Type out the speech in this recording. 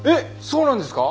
そうなんですか？